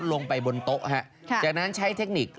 ลงไปบนโต๊ะจากนั้นใช้เทคนิค